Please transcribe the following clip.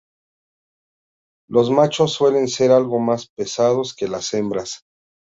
Los machos suelen ser algo más pesados que las hembras.